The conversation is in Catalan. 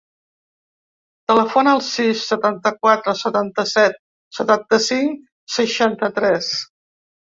Telefona al sis, setanta-quatre, setanta-set, setanta-cinc, seixanta-tres.